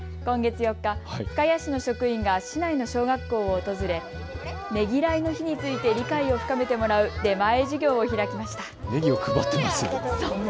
今月４日、深谷市の職員が市内の小学校を訪れねぎらいの日について理解を深めてもらう出前授業を開きました。